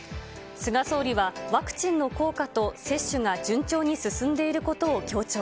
菅総理は、ワクチンの効果と接種が順調に進んでいることを強調。